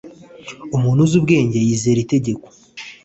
umuntu uzi ubwenge yizera itegeko